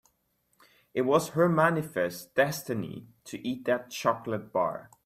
It was her manifest destiny to eat that chocolate bar.